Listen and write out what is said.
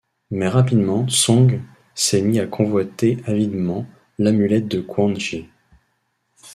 Mais rapidement, Tsung s'est mis à convoiter avidement l'amulette de Quan Chi.